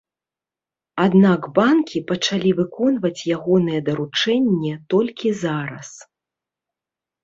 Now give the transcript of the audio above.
Аднак банкі пачалі выконваць ягонае даручэнне толькі зараз.